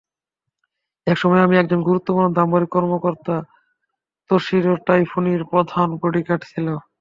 এক সময় আমি একজন গুরুত্বপূর্ণ দাপ্তরিক কর্মকর্তা তোশিরো টাইফুনির প্রধান বডিগার্ড ছিলাম।